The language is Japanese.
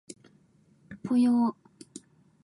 ぽよー